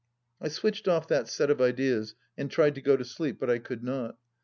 .,, I switched off that set of ideas and tried to go to sleep, but I could not.